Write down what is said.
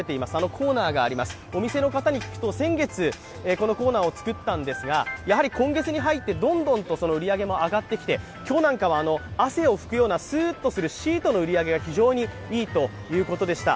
コーナーがあります、お店の方に聞くと、先月このコーナーを作ったんですがやはり、今月に入ってどんどん売り上げも上がってきて今日なんかは汗を拭くようなすーっとするシートの売り上げが非常にいいということでした。